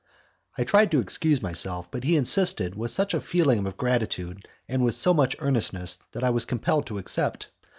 I tried to excuse myself, but he insisted with such a feeling of gratitude, and with so much earnestness, that I was compelled to accept.